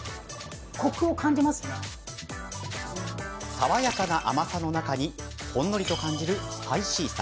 爽やかな甘さの中にほんのりと感じるスパイシーさ。